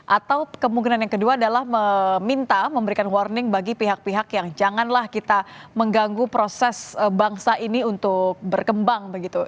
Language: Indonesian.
atau kemungkinan yang kedua adalah meminta memberikan warning bagi pihak pihak yang janganlah kita mengganggu proses bangsa ini untuk berkembang begitu